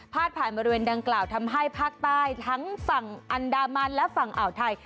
ผ่านบริเวณดังกล่าวทำให้ภาคใต้ทั้งฝั่งอันดามันและฝั่งอ่าวไทย